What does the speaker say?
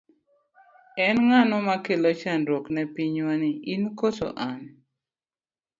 En ng'ano ma kelo chandruok ne pinywani in koso an?